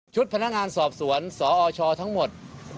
พนักงานสอบสวนสอชทั้งหมด